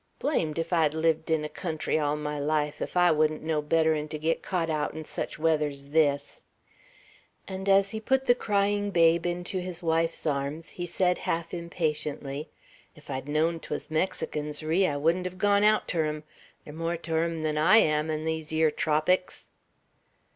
"Blamed ef I'd lived in a country all my life, ef I wouldn't know better'n to git caught out in such weather's this!" And as he put the crying babe into his wife's arms, he said half impatiently, "Ef I'd knowed 't wuz Mexicans, Ri, I wouldn't ev' gone out ter 'um. They're more ter hum 'n I am, 'n these yer tropicks."